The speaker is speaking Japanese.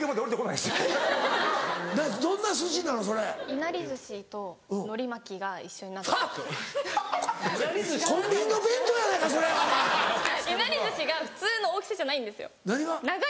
いなり寿司が普通の大きさじゃないんですよ。何が？